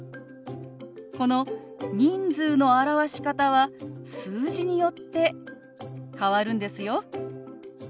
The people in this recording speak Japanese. この人数の表し方は数字によって変わるんですよ。